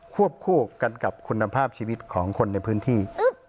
วบคู่กันกับคุณภาพชีวิตของคนในพื้นที่